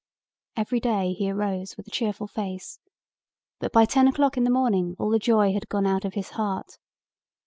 Every day he arose with a cheerful face, but by ten o'clock in the morning all the joy had gone out of his heart.